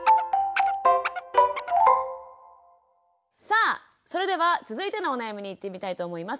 さあそれでは続いてのお悩みにいってみたいと思います。